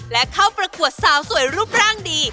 และเข้าประกวดสาวสวยรูปร่างดี